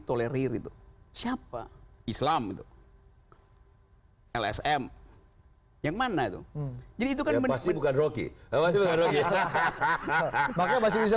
tolerir itu siapa islam itu lsm yang mana itu jadi itu kan rocky hahaha makanya masih bisa